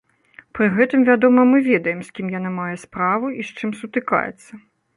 Пры гэтым, вядома, мы ведаем, з кім яна мае справу і з чым сутыкаецца.